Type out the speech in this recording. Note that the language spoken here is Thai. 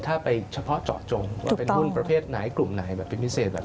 ถ้าไปเฉพาะเจาะจงว่าเป็นหุ้นประเภทไหนกลุ่มไหนแบบเป็นพิเศษแบบนี้